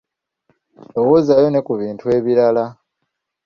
Lowoozaayo ne ku bintu ebirala.